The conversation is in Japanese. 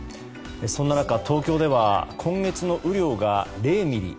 そんな中、東京では今月の雨量が０ミリ。